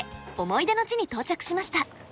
思い出の地に到着しました。